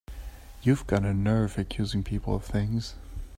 You've got a nerve accusing people of things!